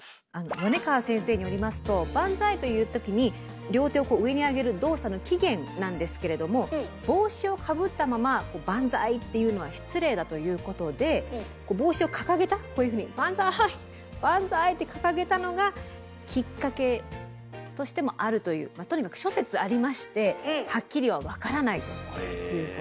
米川先生によりますと「バンザイ」と言うときに両手を上にあげる動作の起源なんですけれども帽子を被ったままバンザイっていうのは失礼だということで帽子をかかげたこういうふうに「バンザイ！バンザイ！」ってかかげたのがきっかけとしてもあるというまあとにかく諸説ありましてはっきりは分からないということです。